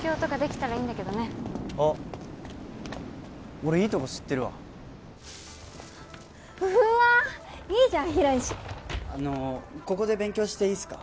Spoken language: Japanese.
俺いいとこ知ってるわうわいいじゃん広いしあのここで勉強していいすか？